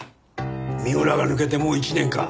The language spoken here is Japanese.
三浦が抜けてもう１年か。